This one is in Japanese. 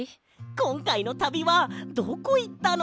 こんかいのたびはどこいったの？